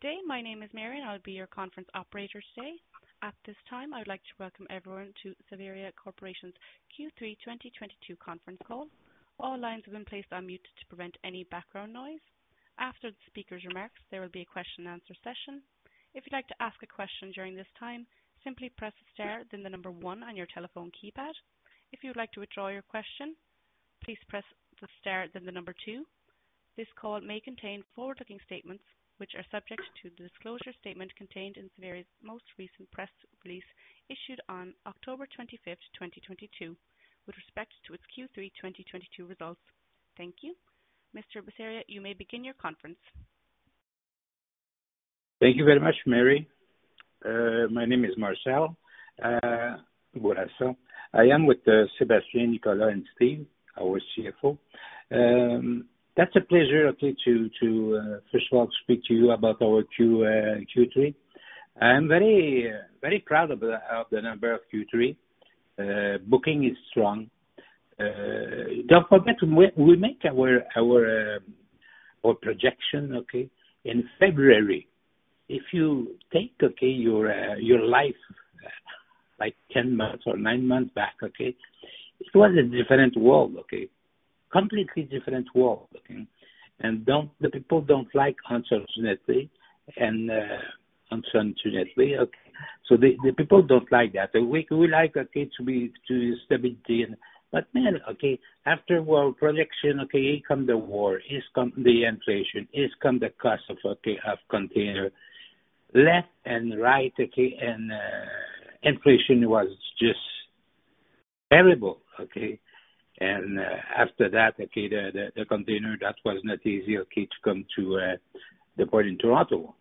Good day. My name is Mary, and I'll be your conference operator today. At this time, I would like to welcome everyone to Savaria Corporation's Q3 2022 Conference Call. All lines have been placed on mute to prevent any background noise. After the speaker's remarks, there will be a question and answer session. If you'd like to ask a question during this time, simply press star then the number one on your telephone keypad. If you would like to withdraw your question, please press the star then the number two. This call may contain forward-looking statements which are subject to the disclosure statement contained in Savaria's most recent press release issued on October 25th, 2022 with respect to its Q3 2022 results. Thank you. Mr. Bourassa, you may begin your conference. Thank you very much, Mary. My name is Marcel Bourassa. I am with Sébastien, Nicolas, and Stephen, our CFO. That's a pleasure to first of all speak to you about our Q3. I'm very proud of the number of Q3. Booking is strong. Don't forget we make our projection in February. If you take your life like 10 months or nine months back, it was a different world. Completely different world. The people don't like uncertainty. The people don't like that. We like stability. Then, after our projection, here comes the war, comes the inflation, comes the cost of container. Left and right, okay. Inflation was just terrible, okay. After that, the container that was not easy to come to the port in Toronto.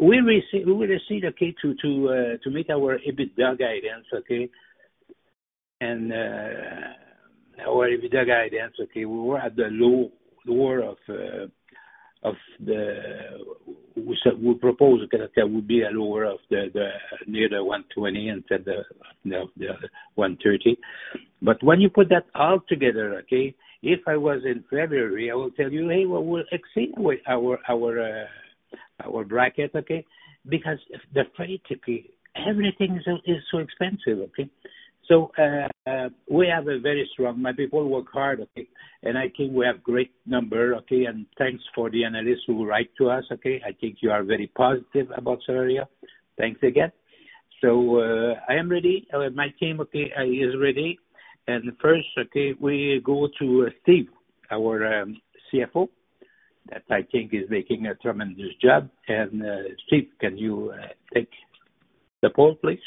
We received okay to meet our EBITDA guidance, okay. Our EBITDA guidance, we were at the lower end of the range we proposed, okay, that would be near 120 instead of the 130. When you put that all together, okay, if I was in February, I will tell you, "Hey, we'll exceed our bracket," okay. The freight, everything is so expensive, okay. We have a very strong. My people work hard, okay. I think we have great numbers, okay. Thanks for the analysts who write to us, okay? I think you are very positive about Savaria. Thanks again. I am ready. My team is ready. First, we go to Steve, our CFO, that I think is making a tremendous job. Steve, can you take the floor please?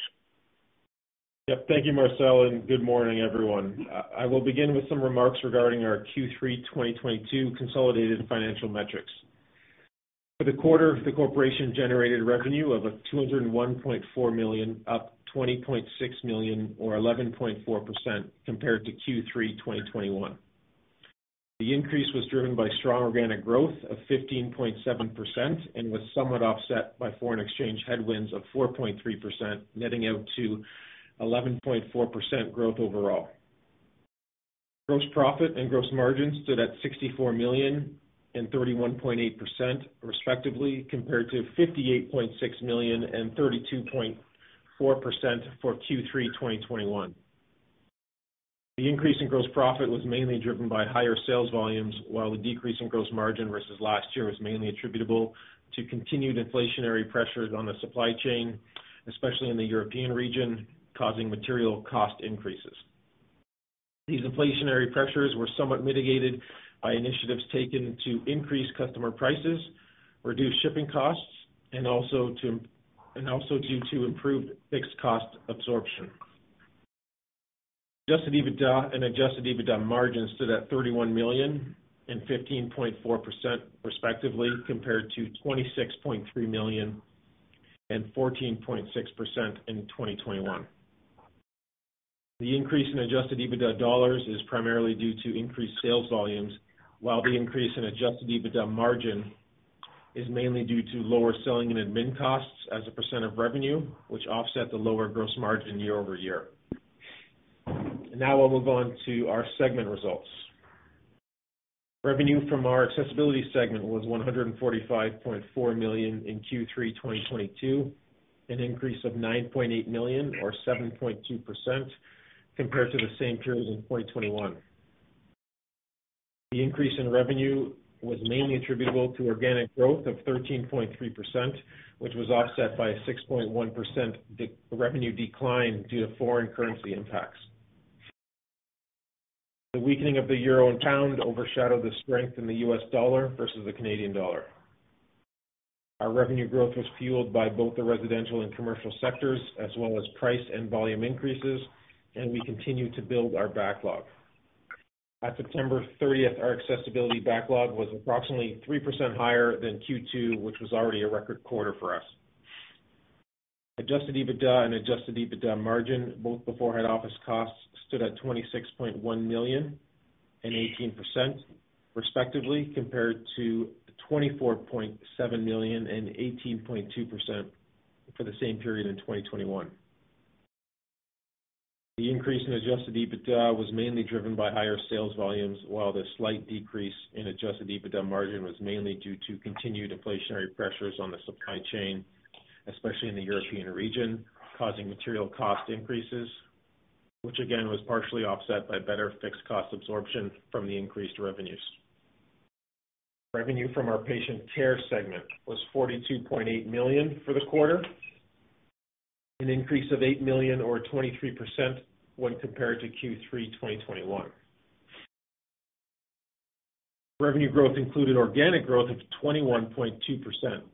Yep. Thank you, Marcel, and good morning, everyone. I will begin with some remarks regarding our Q3 2022 consolidated financial metrics. For the quarter, the corporation generated revenue of 201.4 million, up 20.6 million or 11.4% compared to Q3 2021. The increase was driven by strong organic growth of 15.7% and was somewhat offset by foreign exchange headwinds of 4.3% netting out to 11.4% growth overall. Gross profit and gross margin stood at 64 million and 31.8% respectively, compared to 58.6 million and 32.4% for Q3 2021. The increase in gross profit was mainly driven by higher sales volumes while the decrease in gross margin versus last year was mainly attributable to continued inflationary pressures on the supply chain, especially in the European region, causing material cost increases. These inflationary pressures were somewhat mitigated by initiatives taken to increase customer prices, reduce shipping costs, and also due to improved fixed cost absorption. Adjusted EBITDA and adjusted EBITDA margins stood at 31 million and 15.4% respectively, compared to 26.3 million and 14.6% in 2021. The increase in adjusted EBITDA dollars is primarily due to increased sales volumes, while the increase in adjusted EBITDA margin is mainly due to lower selling and admin costs as a percent of revenue, which offset the lower gross margin year over year. Now I'll move on to our segment results. Revenue from our Accessibility segment was 145.4 million in Q3 2022, an increase of 9.8 million or 7.2% compared to the same period in 2021. The increase in revenue was mainly attributable to organic growth of 13.3%, which was offset by a 6.1% revenue decline due to foreign currency impacts. The weakening of the euro and pound overshadowed the strength in the US dollar versus the Canadian dollar. Our revenue growth was fueled by both the residential and commercial sectors, as well as price and volume increases, and we continue to build our backlog. At September 30th, our Accessibility backlog was approximately 3% higher than Q2, which was already a record quarter for us. Adjusted EBITDA and adjusted EBITDA margin, both before head office costs, stood at 26.1 million and 18% respectively, compared to 24.7 million and 18.2% for the same period in 2021. The increase in adjusted EBITDA was mainly driven by higher sales volumes, while the slight decrease in adjusted EBITDA margin was mainly due to continued inflationary pressures on the supply chain, especially in the European region, causing material cost increases, which again was partially offset by better fixed cost absorption from the increased revenues. Revenue from our Patient Care segment was 42.8 million for the quarter, an increase of 8 million or 23% when compared to Q3 2021. Revenue growth included organic growth of 21.2%,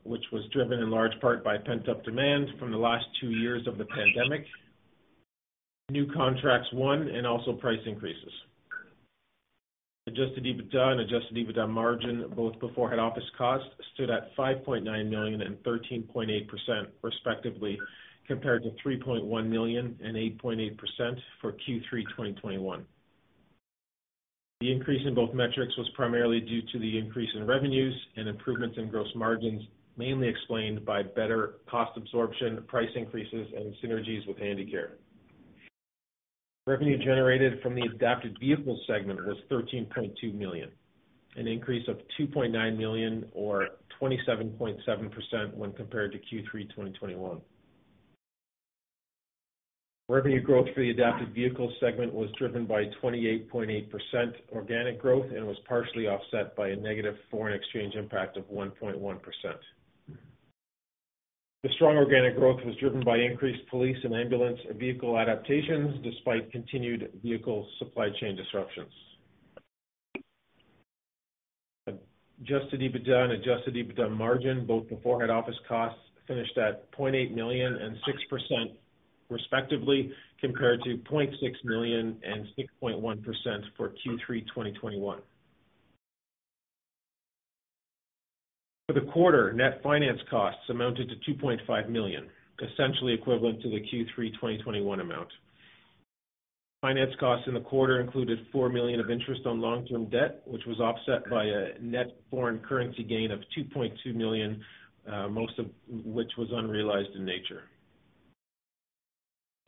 which was driven in large part by pent-up demand from the last two years of the pandemic, new contracts won, and also price increases. Adjusted EBITDA and adjusted EBITDA margin, both before head office costs, stood at 5.9 million and 13.8% respectively, compared to 3.1 million and 8.8% for Q3 2021. The increase in both metrics was primarily due to the increase in revenues and improvements in gross margins, mainly explained by better cost absorption, price increases, and synergies with Handicare. Revenue generated from the Adapted Vehicles segment was 13.2 million, an increase of 2.9 million or 27.7% when compared to Q3 2021. Revenue growth for the Adapted Vehicles segment was driven by 28.8% organic growth and was partially offset by a negative foreign exchange impact of 1.1%. The strong organic growth was driven by increased police and ambulance vehicle adaptations despite continued vehicle supply chain disruptions. Adjusted EBITDA and adjusted EBITDA margin, both before head office costs, finished at 0.8 million and 6% respectively, compared to 0.6 million and 6.1% for Q3 2021. For the quarter, net finance costs amounted to 2.5 million, essentially equivalent to the Q3 2021 amount. Finance costs in the quarter included 4 million of interest on long-term debt, which was offset by a net foreign currency gain of 2.2 million, most of which was unrealized in nature.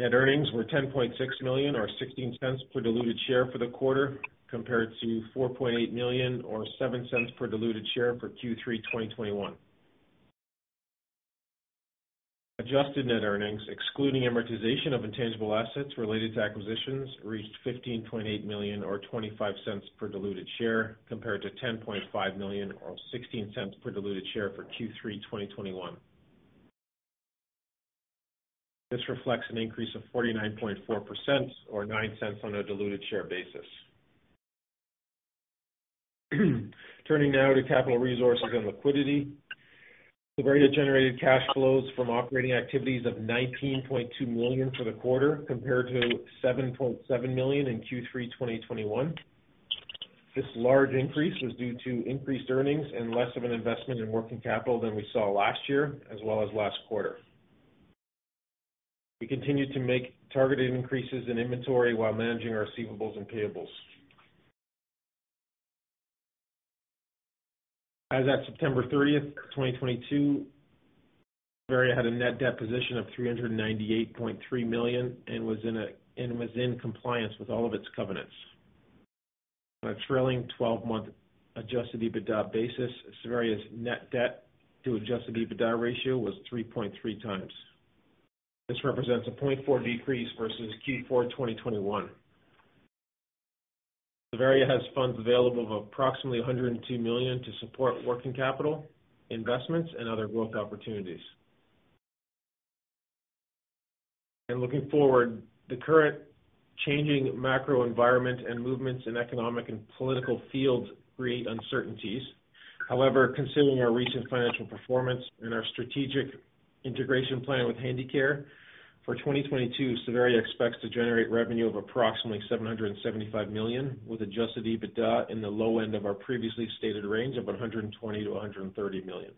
Net earnings were 10.6 million or 0.16 per diluted share for the quarter, compared to 4.8 million or 0.07 per diluted share for Q3 2021. Adjusted net earnings, excluding amortization of intangible assets related to acquisitions, reached 15.8 million or 0.25 per diluted share, compared to 10.5 million or 0.16 per diluted share for Q3 2021. This reflects an increase of 49.4% or 0.09 on a diluted share basis. Turning now to capital resources and liquidity. Savaria generated cash flows from operating activities of 19.2 million for the quarter, compared to 7.7 million in Q3 2021. This large increase was due to increased earnings and less of an investment in working capital than we saw last year as well as last quarter. We continued to make targeted increases in inventory while managing our receivables and payables. As at September 30th, 2022, Savaria had a net debt position of 398.3 million and was in compliance with all of its covenants. On a trailing twelve-month adjusted EBITDA basis, Savaria's net debt to adjusted EBITDA ratio was 3.3 times. This represents a 0.4 decrease versus Q4 2021. Savaria has funds available of approximately 102 million to support working capital, investments, and other growth opportunities. Looking forward, the current changing macro environment and movements in economic and political fields create uncertainties. However, considering our recent financial performance and our strategic integration plan with Handicare, for 2022, Savaria expects to generate revenue of approximately 775 million with adjusted EBITDA in the low end of our previously stated range of 120 million-130 million.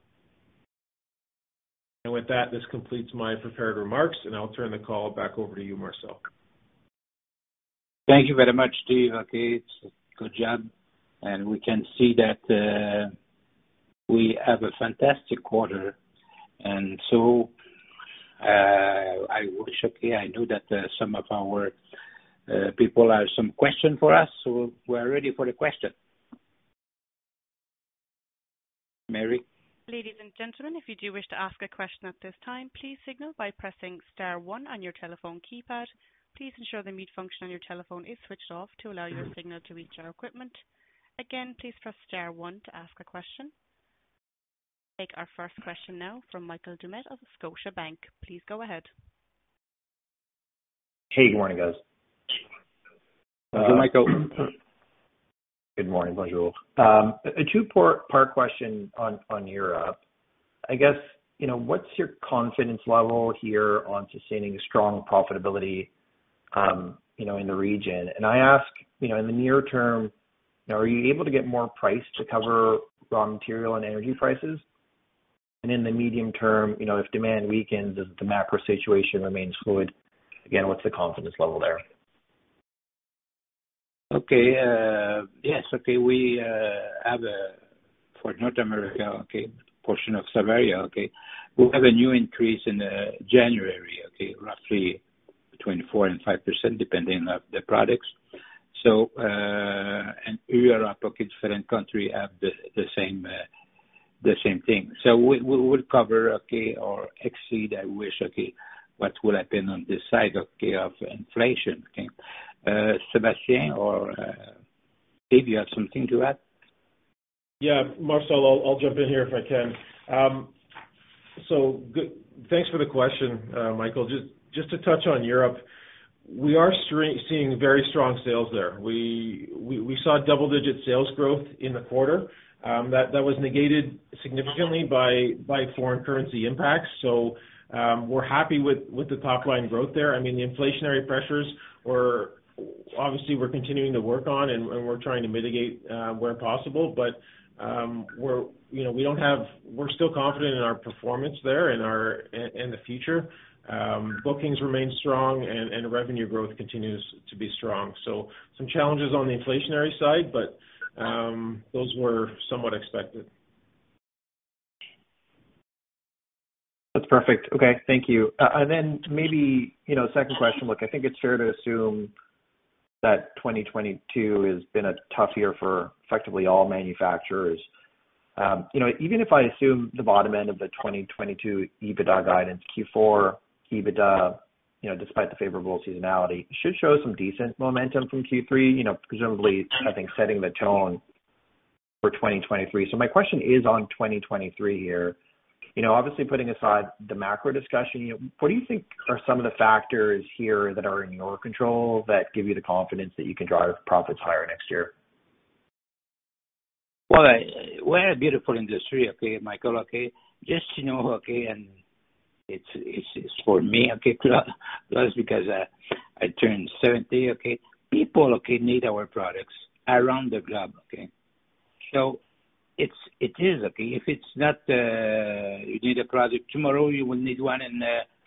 With that, this completes my prepared remarks, and I'll turn the call back over to you, Marcel. Thank you very much, Steve. Okay. Good job. We can see that we have a fantastic quarter. I know that some of our people have some questions for us, so we're ready for the question. Mary? Ladies and gentlemen, if you do wish to ask a question at this time, please signal by pressing star one on your telephone keypad. Please ensure the mute function on your telephone is switched off to allow your signal to reach our equipment. Again, please press star one to ask a question. We'll take our first question now from Michael Glen of Scotiabank. Please go ahead. Hey, good morning, guys. Good morning. Michael. Good morning. Bonjour. A two-part question on Europe. I guess, you know, what's your confidence level here on sustaining strong profitability, you know, in the region? I ask, you know, in the near term, are you able to get more price to cover raw material and energy prices? In the medium term, you know, if demand weakens as the macro situation remains fluid, again, what's the confidence level there? We have for North America portion of Savaria. We have a new increase in January, roughly between 4% and 5%, depending on the products. In Europe, different country have the same thing. We will cover or exceed what will happen on this side of inflation. Sébastien or Stephen, you have something to add? Yeah, Marcel, I'll jump in here if I can. Thanks for the question, Michael. Just to touch on Europe, we are seeing very strong sales there. We saw double-digit sales growth in the quarter, that was negated significantly by foreign currency impacts. We're happy with the top line growth there. I mean, the inflationary pressures obviously we're continuing to work on and we're trying to mitigate where possible. But, you know, we're still confident in our performance there in the future. Bookings remain strong and revenue growth continues to be strong. Some challenges on the inflationary side, but those were somewhat expected. That's perfect. Okay. Thank you. And then maybe, you know, second question. Look, I think it's fair to assume that 2022 has been a tough year for effectively all manufacturers. You know, even if I assume the bottom end of the 2022 EBITDA guidance, Q4 EBITDA, you know, despite the favorable seasonality, should show some decent momentum from Q3, you know, presumably, I think, setting the tone for 2023. My question is on 2023 here. You know, obviously putting aside the macro discussion, you know, what do you think are some of the factors here that are in your control that give you the confidence that you can drive profits higher next year? Well, we're a beautiful industry, okay, Michael, okay. Just to know, okay, and it's for me, okay, plus because I turned 70, okay. People, okay, need our products around the globe, okay. It's, it is, okay. If it's not you need a product tomorrow, you will need one in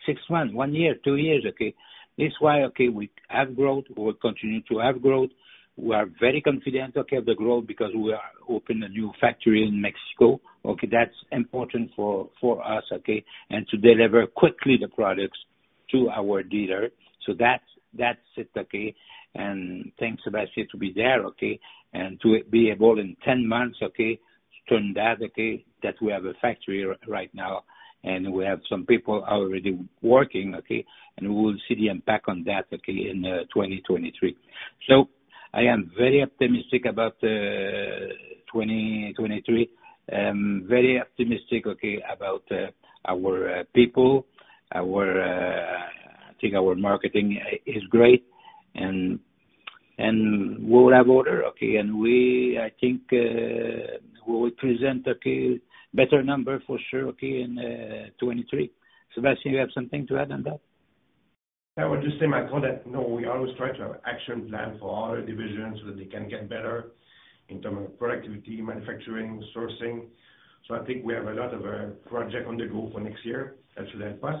six months, one year, two years, okay. This is why, okay, we have growth. We will continue to have growth. We are very confident, okay, of the growth because we are open a new factory in Mexico. Okay. That's important for us, okay, and to deliver quickly the products to our dealer. That's it. Okay. Thanks Sébastien to be there, okay, and to be able in 10 months, okay, to turn that we have a factory right now and we have some people already working, okay. We will see the impact on that, okay, in 2023. I am very optimistic about 2023. I'm very optimistic, okay, about our people. Our, I think, our marketing is great. We'll have order, okay, and we, I think, we will present, okay, better number for sure, okay, in 2023. Sébastien, you have something to add on that? I would just say, Michael, that no we always try to have action plan for all our divisions so that they can get better in terms of productivity, manufacturing, sourcing. I think we have a lot of project on the go for next year that should help us.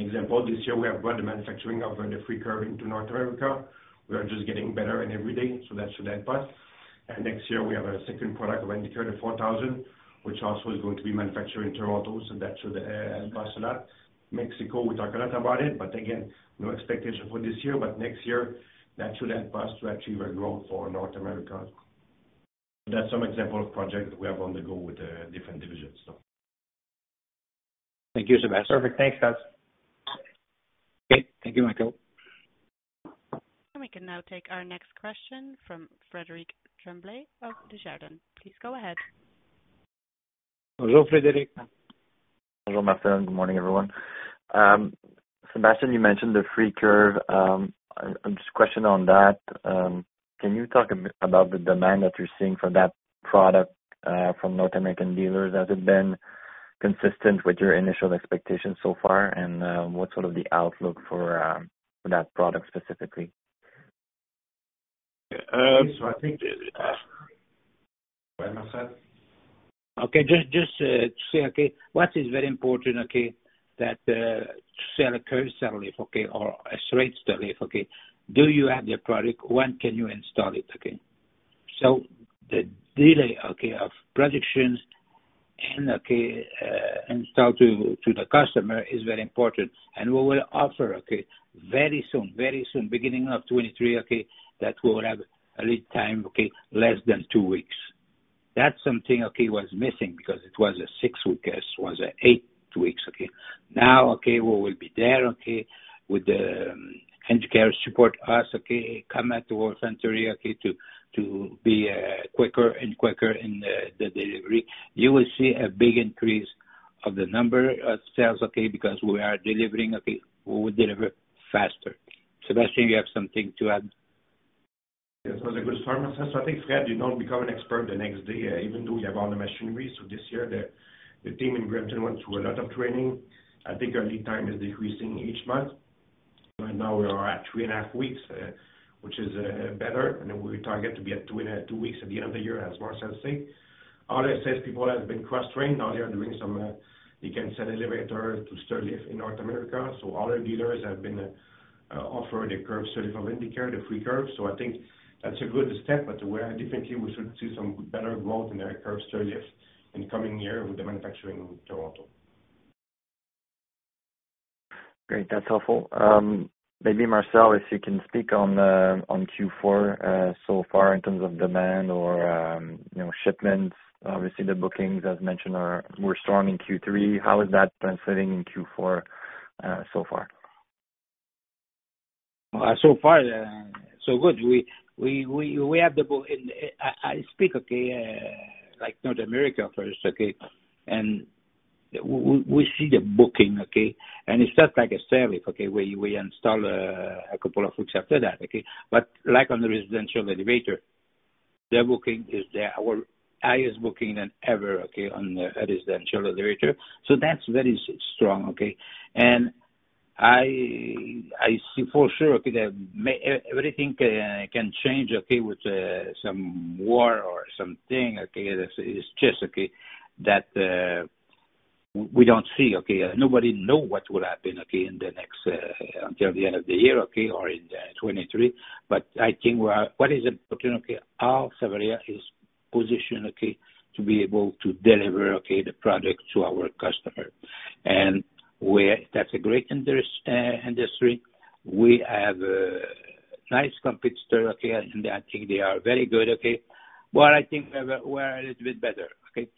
Example, this year we have brought the manufacturing of the Freecurve into North America. We are just getting better in every day, so that should help us. Next year we have a second product of Handicare 4000, which also is going to be manufactured in Toronto, so that should help us a lot. Mexico, we talk a lot about it, but again, no expectation for this year. Next year, that should help us to achieve a growth for North America. That's some example of projects we have on the go with the different divisions, so. Thank you, Sébastien. Perfect. Thanks, guys. Okay. Thank you, Michael. We can now take our next question from Frédérick Tremblay of Desjardins. Please go ahead. Hello, Frédérick. Hello, Marcel. Good morning, everyone. Sébastien, you mentioned the Freecurve. I'm just questioning on that. Can you talk about the demand that you're seeing for that product from North American dealers? Has it been consistent with your initial expectations so far? What's sort of the outlook for that product specifically? Go ahead, Marcel. Just to say what is very important, that to sell a curved stairlift or a straight stairlift. Do you have the product? When can you install it? The delay of production and installation to the customer is very important. We will offer very soon, beginning of 2023, that we will have a lead time less than two weeks. That's something was missing because it was six weeks, eight weeks. Now we will be there with the Handicare supporting us, committed to Savaria to be quicker and quicker in the delivery. You will see a big increase of the number of sales because we are delivering, we will deliver faster. Sébastien, you have something to add? Yes. That was a good summary, Marcel. I think, Fred, you don't become an expert the next day, even though we have all the machinery. This year the team in Brampton went through a lot of training. I think our lead time is decreasing each month. Right now we are at 3.5 weeks, which is better. We target to be at two weeks at the end of the year as Marcel said. All the sales people have been cross-trained. Now they are doing some, you can sell elevator to stairlift in North America. All our dealers have been offered a curved stairlift for Handicare, the Freecurve. I think that's a good step, but we definitely should see some better growth in our curved stairlift in coming year with the manufacturing in Toronto. Great. That's helpful. Maybe Marcel, if you can speak on Q4 so far in terms of demand or, you know, shipments. Obviously, the bookings, as mentioned, were strong in Q3. How is that translating in Q4 so far? So far, so good. We have the bookings. I speak, like North America first, okay? We see the booking, okay? It's not like a service, okay, we install a couple of weeks after that, okay? Like on the residential elevator, the booking is there. Our highest booking ever, okay, on the residential elevator. That's very strong, okay? I see for sure, okay, that everything can change, okay, with some war or something, okay, that is just that we don't see, okay. Nobody know what would happen, okay, in the next until the end of the year, okay, or in 2023. I think what is important, okay, how Savaria is positioned, okay, to be able to deliver, okay, the product to our customer. That's a great industry. We have a nice competitor, okay, and I think they are very good, okay. But I think we're a little bit better, okay?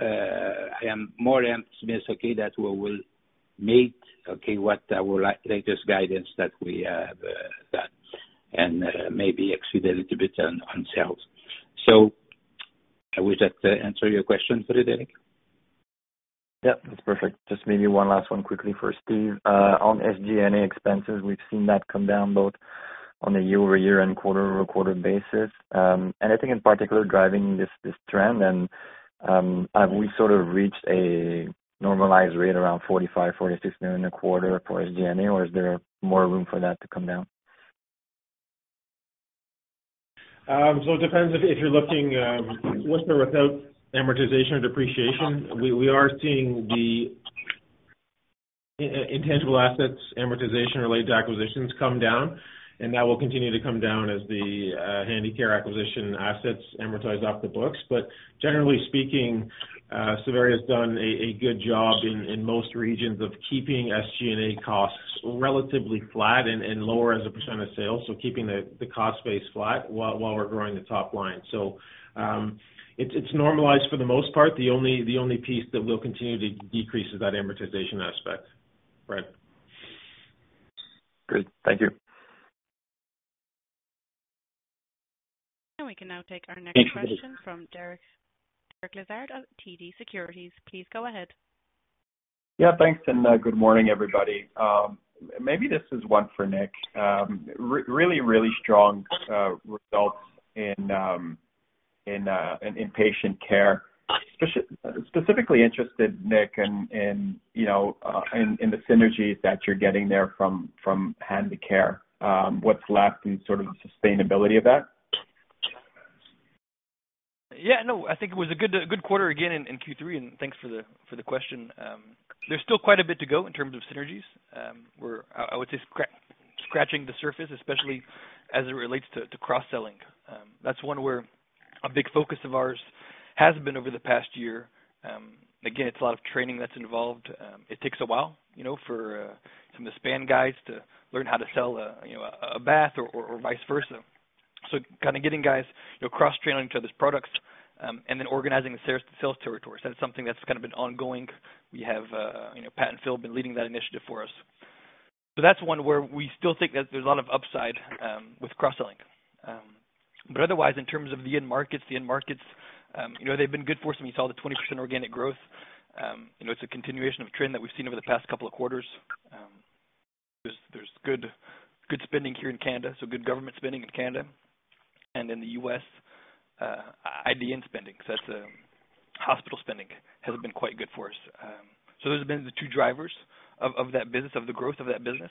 I am more optimistic, okay, that we will meet, okay, what our latest guidance that we have, that and maybe exceed a little bit on sales. I wish that answers your question, Frédérick. Yep, that's perfect. Just maybe one last one quickly for Steve. On SG&A expenses, we've seen that come down both on a year-over-year and quarter-over-quarter basis. Anything in particular driving this trend? Have we sort of reached a normalized rate around 45 million-46 million a quarter for SG&A, or is there more room for that to come down? It depends if you're looking with or without amortization or depreciation. We are seeing the intangible assets amortization related to acquisitions come down, and that will continue to come down as the Handicare acquisition assets amortize off the books. Generally speaking, Savaria has done a good job in most regions of keeping SG&A costs relatively flat and lower as a percent of sales. Keeping the cost base flat while we're growing the top line. It's normalized for the most part. The only piece that will continue to decrease is that amortization aspect. Fred. Great. Thank you. We can now take our next question from Derek Lessard of TD Securities. Please go ahead. Yeah, thanks. Good morning, everybody. Maybe this is one for Nick. Really strong results in Patient Care. Specifically interested, Nick, in you know, in the synergies that you're getting there from Handicare. What's left and sort of the sustainability of that? Yeah, no, I think it was a good quarter again in Q3, and thanks for the question. There's still quite a bit to go in terms of synergies. We're scratching the surface, especially as it relates to cross-selling. That's one where a big focus of ours has been over the past year. Again, it's a lot of training that's involved. It takes a while, you know, for some of the Span guys to learn how to sell, you know, a bath or vice versa. So kind of getting guys, you know, cross-training each other's products, and then organizing the sales territories. That's something that's kind of been ongoing. We have Pat and Phil been leading that initiative for us. That's one where we still think that there's a lot of upside with cross-selling. Otherwise, in terms of the end markets, you know, they've been good for us. I mean, you saw the 20% organic growth. You know, it's a continuation of a trend that we've seen over the past couple of quarters. There's good spending here in Canada, so good government spending in Canada. In the U.S., IDN spending, so that's hospital spending has been quite good for us. Those have been the two drivers of that business, of the growth of that business.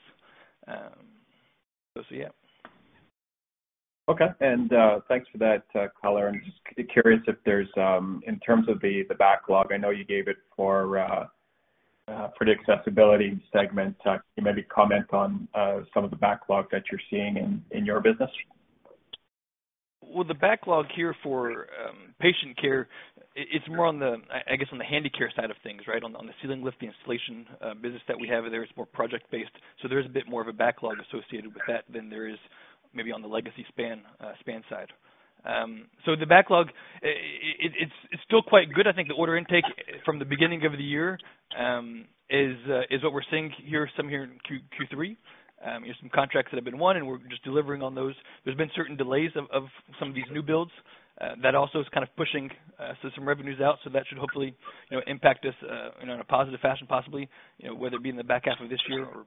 Yeah. Thanks for that color. I'm just curious if there's in terms of the backlog. I know you gave it for the accessibility segment. Can you maybe comment on some of the backlog that you're seeing in your business? Well, the backlog here for Patient Care, it's more on the, I guess on the Handicare side of things, right? On the ceiling lift, the installation business that we have there is more project based. There is a bit more of a backlog associated with that than there is maybe on the legacy Span-America side. The backlog, it's still quite good. I think the order intake from the beginning of the year is what we're seeing here, some here in Q3. You know, some contracts that have been won and we're just delivering on those. There's been certain delays of some of these new builds that also is kind of pushing so some revenues out. That should hopefully, you know, impact us, you know, in a positive fashion, possibly, you know, whether it be in the back half of this year or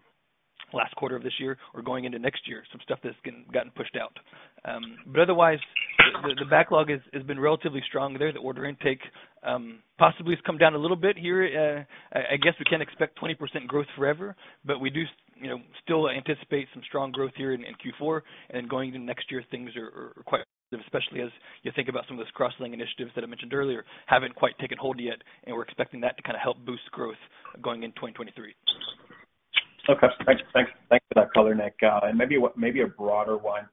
last quarter of this year or going into next year, some stuff that's getting pushed out. otherwise- The backlog has been relatively strong there. The order intake possibly has come down a little bit here. I guess we can't expect 20% growth forever, but we do, you know, still anticipate some strong growth here in Q4 and going into next year things are quite, especially as you think about some of those cross-selling initiatives that I mentioned earlier, haven't quite taken hold yet and we're expecting that to kind of help boost growth going into 2023. Okay. Thanks. Thanks for that color, Nick. Maybe a broader one.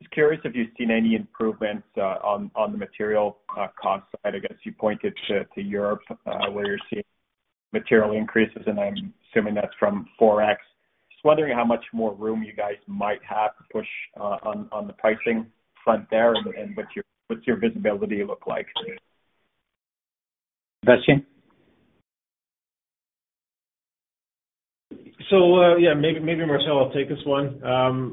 Just curious if you've seen any improvements on the material cost side. I guess you pointed to Europe where you're seeing material increases, and I'm assuming that's from forex. Just wondering how much more room you guys might have to push on the pricing front there and what's your visibility look like? Sébastien? Yeah, maybe Marcel I'll take this one.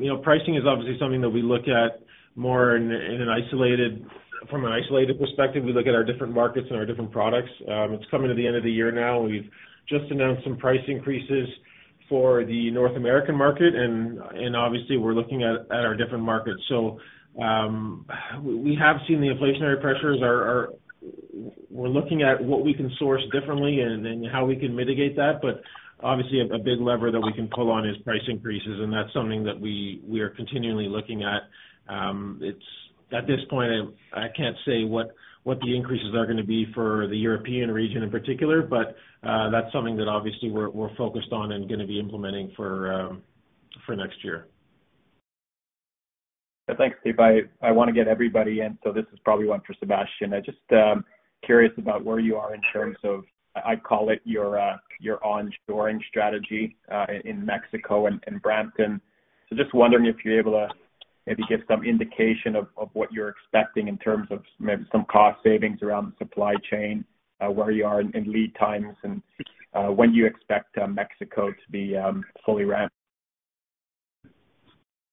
You know, pricing is obviously something that we look at more from an isolated perspective. We look at our different markets and our different products. It's coming to the end of the year now. We've just announced some price increases for the North American market and obviously we're looking at our different markets. We have seen the inflationary pressures. We're looking at what we can source differently and how we can mitigate that. But obviously a big lever that we can pull on is price increases, and that's something that we are continually looking at. At this point I can't say what the increases are gonna be for the European region in particular, but that's something that obviously we're focused on and gonna be implementing for next year. Thanks, Steve. I wanna get everybody in. This is probably one for Sébastien. I'm just curious about where you are in terms of, I'd call it your onshoring strategy, in Mexico and Brampton. Just wondering if you're able to maybe give some indication of what you're expecting in terms of maybe some cost savings around the supply chain, where you are in lead times and when you expect Mexico to be fully ramped.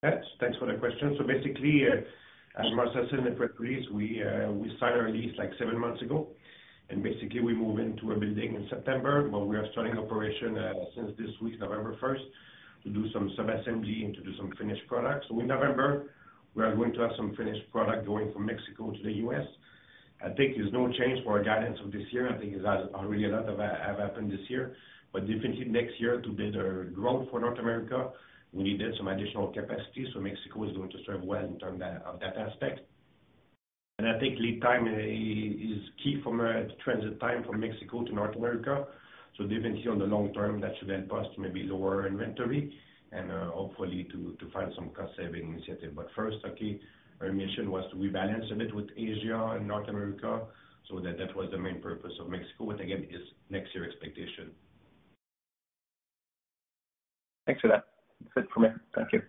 Yes. Thanks for the question. Basically, as Marcel said in the press release, we signed our lease like seven months ago, and basically we move into a building in September, but we are starting operation since this week, November 1st, to do some sub-assembly and to do some finished products. In November, we are going to have some finished product going from Mexico to the U.S. I think there's no change for our guidance of this year. I think it has already a lot of have happened this year. Definitely next year, to build our growth for North America, we needed some additional capacity, so Mexico is going to serve well in terms of that aspect. I think lead time is key from a transit time from Mexico to North America. Definitely on the long term that should help us to maybe lower our inventory and hopefully to find some cost-saving initiative. First, okay, our mission was to rebalance a bit with Asia and North America. That was the main purpose of Mexico. Again, it's next year expectation. Thanks for that. That's it for me. Thank you.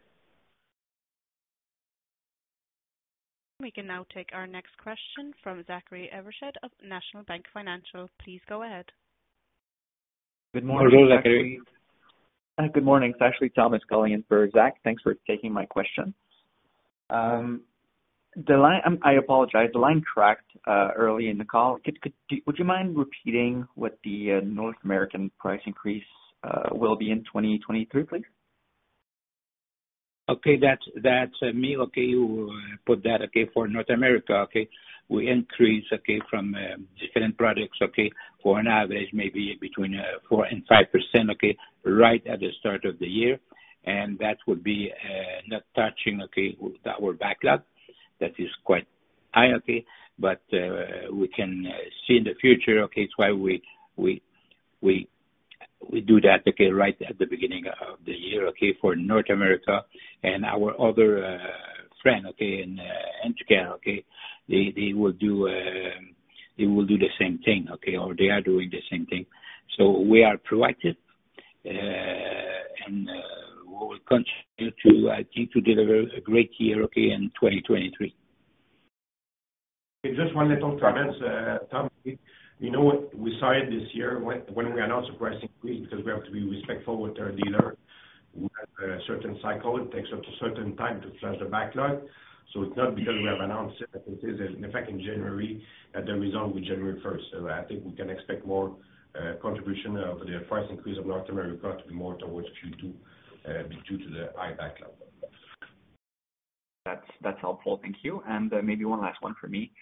We can now take our next question from Zachary Evershed of National Bank Financial. Please go ahead. Good morning, Zachary. Good morning. It's actually Thomas calling in for Zach. Thanks for taking my question. I apologize. The line cracked early in the call. Would you mind repeating what the North American price increase will be in 2023, please? Okay. That's me. Okay. We put that, okay, for North America, okay. We increase, okay, from different products, okay, for an average maybe between 4% and 5%, okay, right at the start of the year. That would be not touching our backlog. That is quite high, okay. We can see in the future, okay, it's why we do that, okay, right at the beginning of the year, okay, for North America and our other friend, okay, in Canada, okay. They will do the same thing, okay, or they are doing the same thing. We are proactive, and we will continue to, I think, to deliver a great year, okay, in 2023. Just one little comment, Tom. You know what? We started this year when we announced the price increase because we have to be respectful with our dealer. We have a certain cycle, it takes up to certain time to flush the backlog. It's not because we have announced it that it is in effect in January, as a result with January first. I think we can expect more contribution of the price increase in North America to be more towards Q2 due to the high backlog. That's helpful. Thank you. Maybe one last one for me.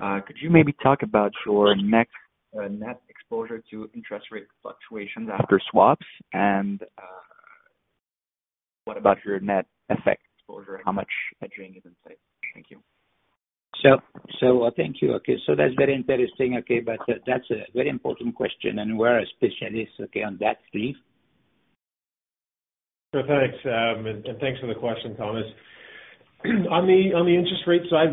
Could you maybe talk about your next net exposure to interest rate fluctuations after swaps and what about your net effect exposure? How much hedging is in play? Thank you. Thank you. That's very interesting, but that's a very important question and we're a specialist, okay, on that, Steve. Thanks for the question, Thomas. On the interest rate side,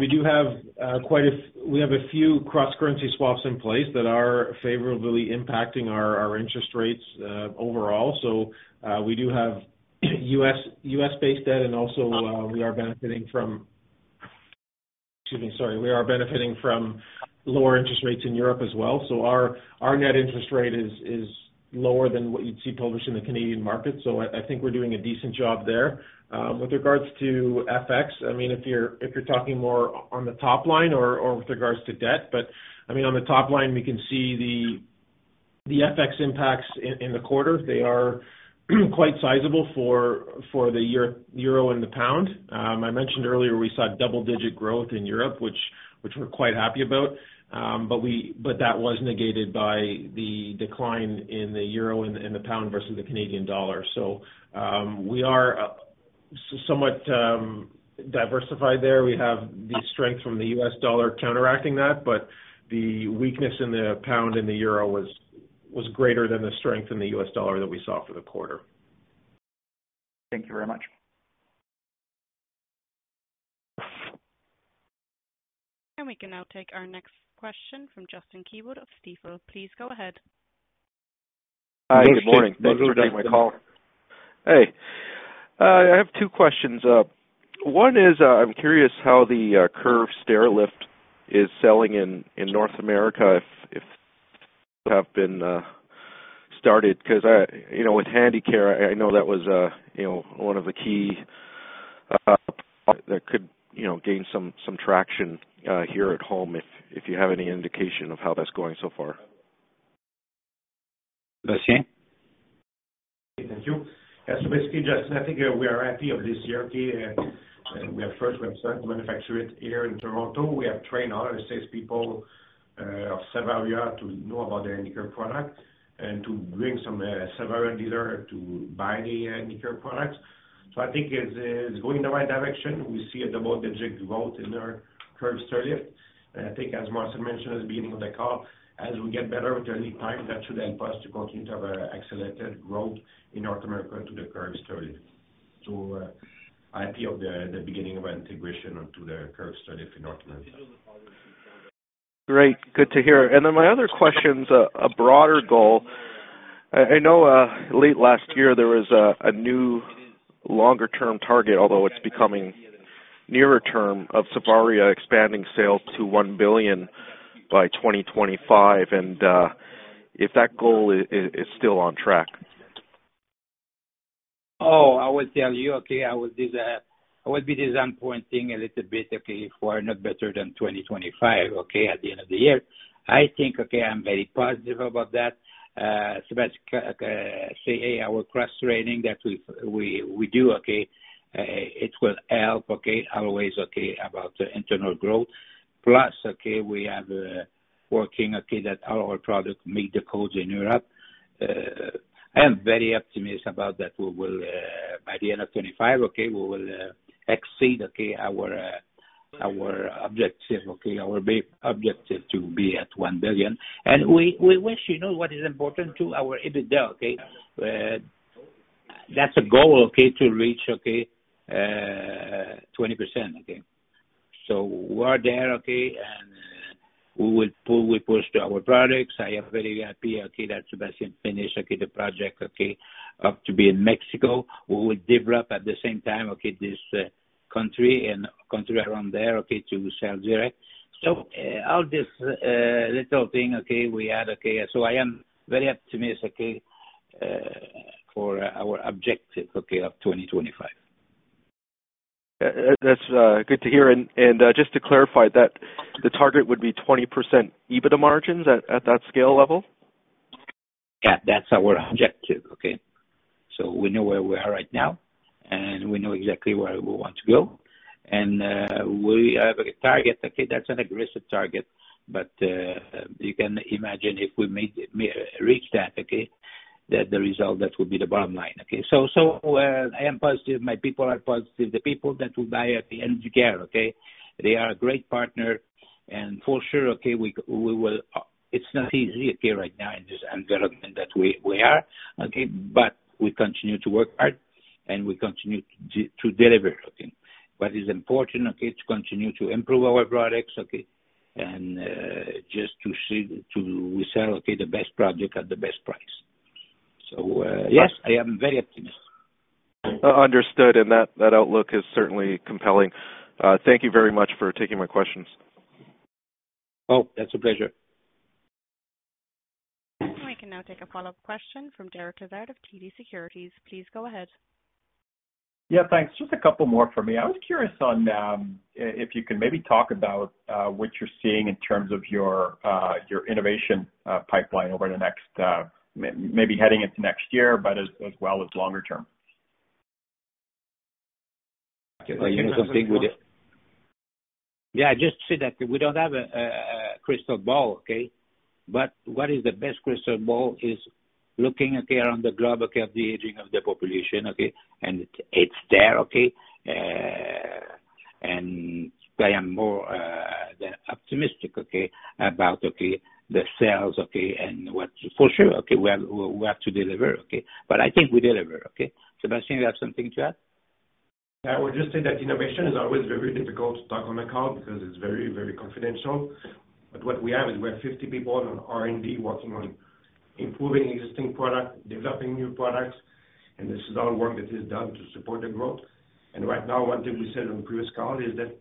we have a few cross-currency swaps in place that are favorably impacting our interest rates overall. We have US-based debt, and also we are benefiting from lower interest rates in Europe as well. Our net interest rate is lower than what you'd see published in the Canadian market. I think we're doing a decent job there. With regards to FX, I mean, if you're talking more on the top line or with regards to debt, but I mean, on the top line, we can see the FX impacts in the quarter, they are quite sizable for the euro and the pound. I mentioned earlier we saw double-digit growth in Europe, which we're quite happy about. That was negated by the decline in the euro and the pound versus the Canadian dollar. We are somewhat diversified there. We have the strength from the US dollar counteracting that, but the weakness in the pound and the euro was greater than the strength in the US dollar that we saw for the quarter. Thank you very much. We can now take our next question from Justin Keywood of Stifel. Please go ahead. Hi, good morning. Thanks for taking my call. Hey. I have two questions. One is, I'm curious how the curved stairlift is selling in North America, if it has been started because, you know, with Handicare, I know that was one of the key that could, you know, gain some traction here at home if you have any indication of how that's going so far. Sebastian? Thank you. Yes. Basically, Justin, I think we are happy with this year, okay. We have first website manufactured here in Toronto. We have trained all our sales people of Savaria to know about the Handicare product and to bring some Savaria dealer to buy the Handicare products. I think it's going in the right direction. We see a double-digit growth in our curved stairlift. I think as Marcel mentioned at the beginning of the call, as we get better with the lead time, that should help us to continue to have a accelerated growth in North America to the curved stairlift. I feel the beginning of integration onto the curved stairlift in North America. Great. Good to hear. Then my other question's a broader goal. I know late last year there was a new longer-term target, although it's becoming nearer term of Savaria expanding sales to 1 billion by 2025, and if that goal is still on track. Oh, I will tell you, I will be disappointing a little bit if we're not better than 2025 at the end of the year. I think I'm very positive about that. Sébastien, our cross-selling that we do will help always about the internal growth. We are working that all our products meet the codes in Europe. I am very optimistic about that. We will by the end of 2025 exceed our objective. Our big objective to be at 1 billion. We wish, you know, what is important to our EBITDA. That's a goal to reach 20%. We're there, and we push to our products. I am very happy that Sébastien finished the project to be in Mexico. We will develop at the same time this country and countries around there to sell direct. All this little things we add. I am very optimistic for our objective of 2025. That's good to hear. Just to clarify that the target would be 20% EBITDA margins at that scale level? Yeah. That's our objective. Okay? We know where we are right now, and we know exactly where we want to go. We have a target, okay, that's an aggressive target. You can imagine if we reach that, okay, the result, that would be the bottom line. Okay. I am positive. My people are positive. The people that will buy at the Handicare, okay, they are a great partner. For sure, okay, it's not easy, okay, right now in this environment that we are, okay, but we continue to work hard and we continue to deliver. Okay. What is important, okay, to continue to improve our products, okay, and just to sell, okay, the best product at the best price. Yes, I am very optimistic. Understood. That outlook is certainly compelling. Thank you very much for taking my questions. Oh, that's a pleasure. We can now take a follow-up question from Derek Lessard of TD Securities. Please go ahead. Yeah, thanks. Just a couple more for me. I was curious on if you could maybe talk about what you're seeing in terms of your innovation pipeline over the next maybe heading into next year, but as well as longer term. Are you something with it? Yeah, just say that we don't have a crystal ball, okay? The best crystal ball is the aging of the population around the globe, and it's there, okay, and I am more than optimistic, okay, about the sales, okay. For sure, okay, we have to deliver, okay, but I think we deliver, okay. Sébastien, you have something to add? I would just say that innovation is always very difficult to talk on the call because it's very, very confidential. What we have is we have 50 people on R&D working on improving existing product, developing new products, and this is all work that is done to support the growth. Right now, one thing we said on the previous call is that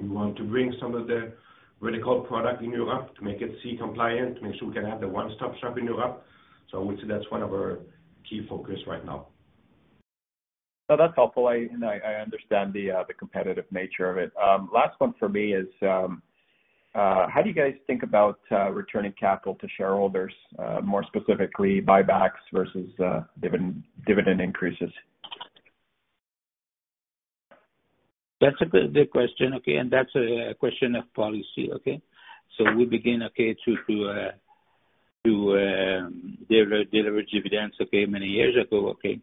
we want to bring some of the vertical product in Europe to make it CE compliant, to make sure we can have the one-stop shop in Europe. We'll say that's one of our key focus right now. No, that's helpful. I understand the competitive nature of it. Last one for me is how do you guys think about returning capital to shareholders, more specifically, buybacks versus dividend increases? That's a good question, okay? That's a question of policy, okay? We begin to deliver dividends, okay, many years ago, okay?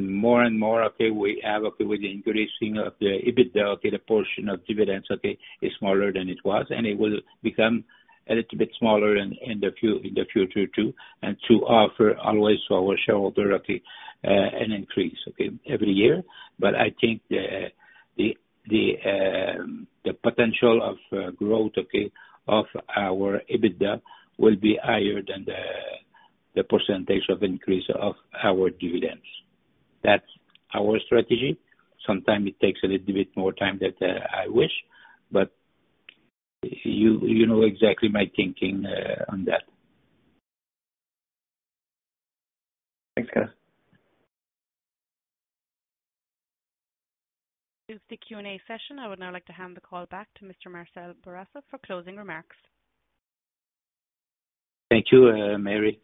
More and more we have, with the increasing of the EBITDA, the portion of dividends is smaller than it was, and it will become a little bit smaller in the future too, and to offer always to our shareholder, okay, an increase, okay, every year. I think the potential of growth of our EBITDA will be higher than the percentage of increase of our dividends. That's our strategy. Sometimes it takes a little bit more time than I wish, but you know exactly my thinking on that. Thanks, guys. This is the Q&A session. I would now like to hand the call back to Mr. Marcel Bourassa for closing remarks. Thank you, Mary.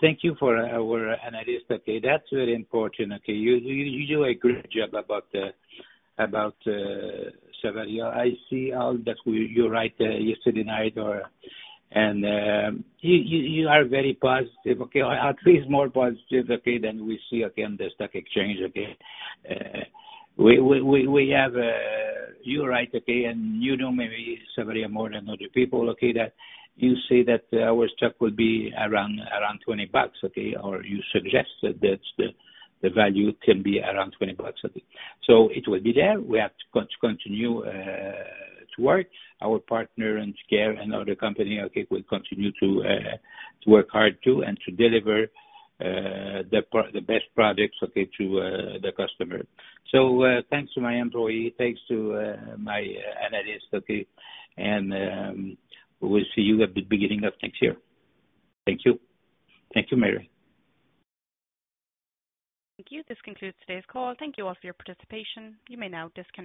Thank you for our analyst, okay? That's very important, okay? You do a great job about Savaria. I see all that you write yesterday night or. You are very positive, okay? Or at least more positive, okay, than we see, okay, in the stock exchange, okay? We have. You're right, okay? You know maybe Savaria more than other people, okay? That you say that our stock will be around 20 bucks, okay? Or you suggest that that's the value can be around 20 bucks, okay. It will be there. We have to continue to work. Our Patient Care and other company, okay, will continue to work hard too and to deliver the best products, okay, to the customer. Thanks to my employee, thanks to my analyst, okay. We'll see you at the beginning of next year. Thank you. Thank you, Mary. Thank you. This concludes today's call. Thank you all for your participation. You may now disconnect.